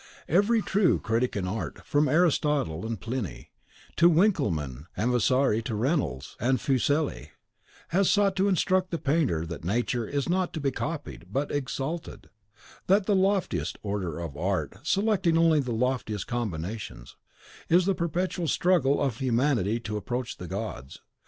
Every true critic in art, from Aristotle and Pliny, from Winkelman and Vasari to Reynolds and Fuseli, has sought to instruct the painter that Nature is not to be copied, but EXALTED; that the loftiest order of art, selecting only the loftiest combinations, is the perpetual struggle of Humanity to approach the gods.